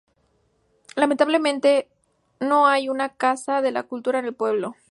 Lamentablemente no hay una casa de la cultura en el pueblo.